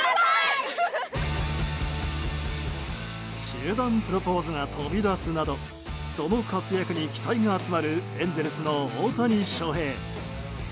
集団プロポーズが飛び出すなどその活躍に期待が集まるエンゼルスの大谷翔平。